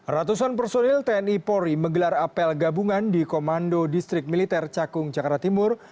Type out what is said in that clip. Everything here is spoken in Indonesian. ratusan personil tni polri menggelar apel gabungan di komando distrik militer cakung jakarta timur